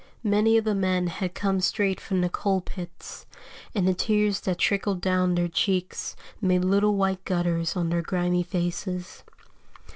Many of the men had come straight from the coal pits, and the tears that trickled down their cheeks made little white gutters on their grimy faces.